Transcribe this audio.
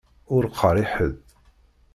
Ur qqaṛ i ḥed.